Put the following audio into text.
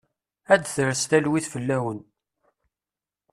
Ad d-tres talwit fell-awen.